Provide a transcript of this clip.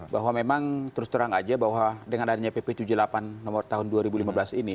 bahwa memang terus terang aja bahwa dengan adanya pp tujuh puluh delapan nomor tahun dua ribu lima belas ini